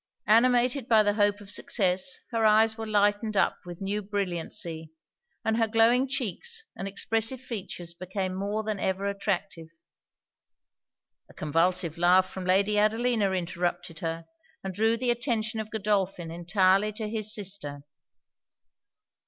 Animated by the hope of success, her eyes were lightened up with new brilliancy, and her glowing cheeks and expressive features became more than ever attractive. A convulsive laugh from Lady Adelina interrupted her, and drew the attention of Godolphin entirely to his sister.